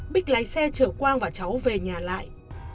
bích lái xe chở quang và cháu về nhà lại